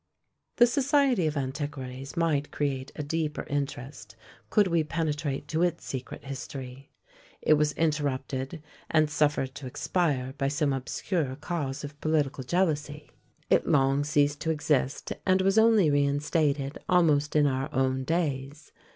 The SOCIETY of ANTIQUARIES might create a deeper interest, could we penetrate to its secret history: it was interrupted, and suffered to expire by some obscure cause of political jealousy. It long ceased to exist, and was only reinstated almost in our own days.